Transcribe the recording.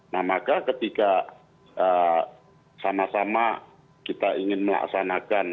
nah maka ketika sama sama kita ingin melaksanakan